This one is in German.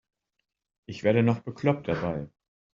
Ich werde noch bekloppt dabei.